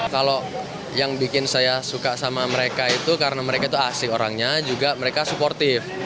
kalau yang bikin saya suka sama mereka itu karena mereka itu asli orangnya juga mereka supportif